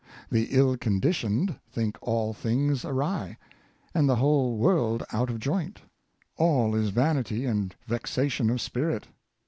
The ill conditioned think all things awry, and the whole world out of joint. All is vanity and vexation of spirit.